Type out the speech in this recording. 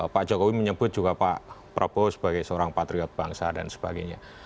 pak jokowi menyebut juga pak prabowo sebagai seorang patriot bangsa dan sebagainya